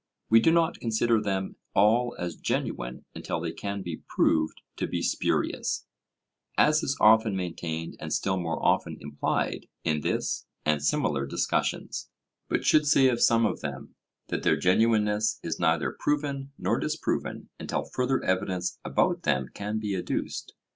We do not consider them all as genuine until they can be proved to be spurious, as is often maintained and still more often implied in this and similar discussions; but should say of some of them, that their genuineness is neither proven nor disproven until further evidence about them can be adduced.